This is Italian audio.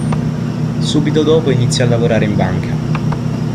Subito dopo inizia a lavorare in banca.